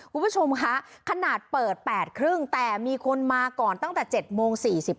คุณผู้ชมคะขนาดเปิด๘๓๐แต่มีคนมาก่อนตั้งแต่๗โมง๔๕